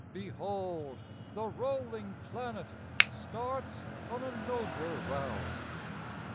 Behold! the rolling planet Starts on a nobler round.